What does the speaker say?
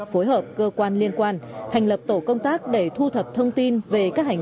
phối hợp cơ quan liên quan hành lập tổ công tác để thu thập thông tin về các lực lượng chức năng